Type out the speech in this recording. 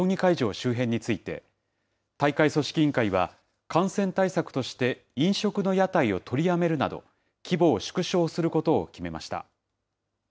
周辺について、大会組織委員会は感染対策として飲食の屋台を取りやめるなど、規模を縮小することを決めました。